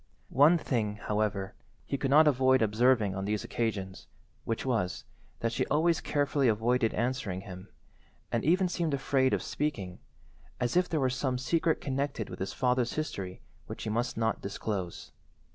One thing, however, he could not avoid observing on these occasions, which was, that she always carefully avoided answering him, and even seemed afraid of speaking, as if there were some secret connected with his father's history which she must not disclose.